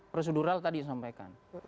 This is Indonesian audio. prosedural tadi yang disampaikan